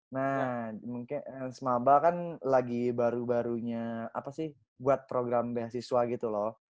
nah mungkin sma kan lagi baru barunya apa sih buat program beasiswa gitu loh